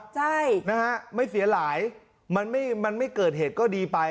ใช่นะฮะไม่เสียหายมันไม่มันไม่เกิดเหตุก็ดีไป